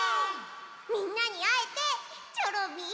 みんなにあえてチョロミー